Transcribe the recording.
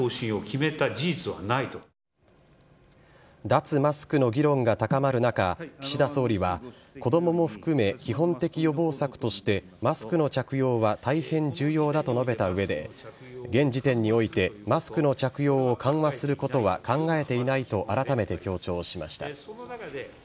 脱マスクの議論が高まる中岸田総理は子供も含め、基本的予防策としてマスクの着用は大変重要だと述べた上で現時点においてマスクの着用を緩和することは考えていないとあらためて強調しました。